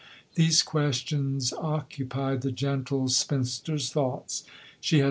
These questions oc cupied the gentle spinster's thoughts ; she had T.ODORK.